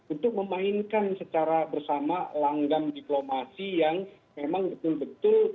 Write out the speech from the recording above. untuk memainkan secara bersama langgam diplomasi yang memang betul betul